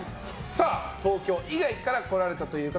東京以外から来られたという方